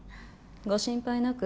ご心配なく。